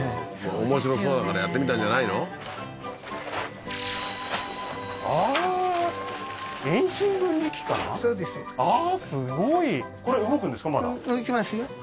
面白そうだからやってみたんじゃないのああーあっ